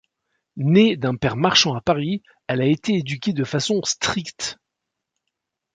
Née d'un père marchand à Paris, elle a été éduquée de façon stricte.